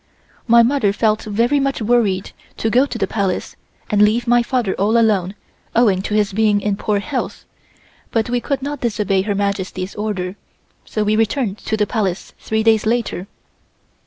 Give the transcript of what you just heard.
My mother felt very much worried to go to the Palace and leave my father all alone owing to his being in poor health, but we could not disobey Her Majesty's order, so we returned to the Palace three days later.